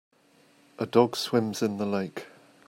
A dog swims in the lake.